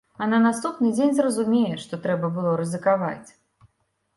А на наступны дзень зразумее, што трэба было рызыкаваць!